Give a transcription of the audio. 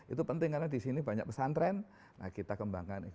itu penting karena disini banyak pesantren kita kembangkan